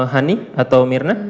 hani atau mirna